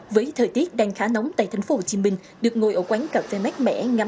với thời tiết đang khá nóng tại thành phố hồ chí minh được ngồi ở quán cà phê mát mẻ ngắm